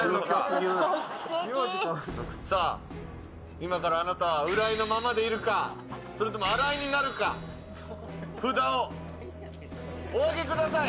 今からあなたは浦井のままでいるか、新井になるのか札をお上げください。